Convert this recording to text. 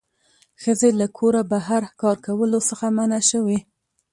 ښځې له کوره بهر کار کولو څخه منع شوې